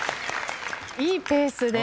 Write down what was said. いいペースです。